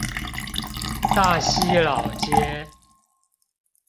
大溪老街